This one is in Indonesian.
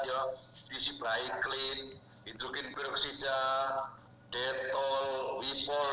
diisi baik clean hidrogen peroxida detol wipol